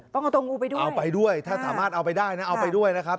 ต้องเอาตัวงูไปด้วยเอาไปด้วยถ้าสามารถเอาไปได้นะเอาไปด้วยนะครับ